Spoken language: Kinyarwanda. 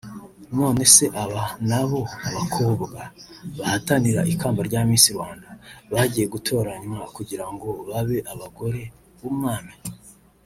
nonese aba nabo (abakobwa bahatanira ikamba rya Miss Rwanda) bagiye gutoranywa kugira ngo babe abagore b'Umwami